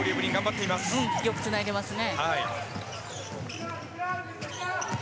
よくつないでますね。